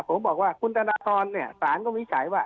ผมบอกว่าคุณธนทรเนี่ยสารก็วิจัยว่า